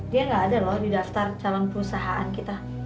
dia nggak ada loh di daftar calon perusahaan kita